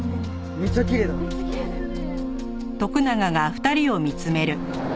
めっちゃきれいだよね！